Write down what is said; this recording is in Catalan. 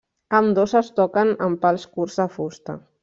Ambdós es toquen amb pals curts de fusta.